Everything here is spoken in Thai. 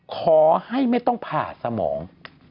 ขอให้ไม่ต้องผ่าสมอง